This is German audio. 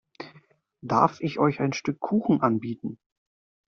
Darf ich euch ein Stück Kuchen anbieten?